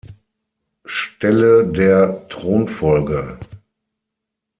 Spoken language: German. Stelle der Thronfolge.